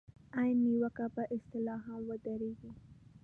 عین نیوکه پر اصطلاح هم واردېږي.